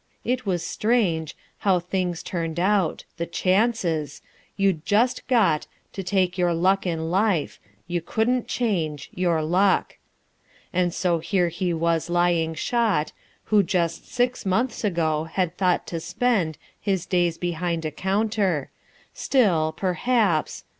It was strange How things turned out the chances! You'd just got To take your luck in life, you couldn't change Your luck. And so here he was lying shot Who just six months ago had thought to spend His days behind a counter. Still, perhaps....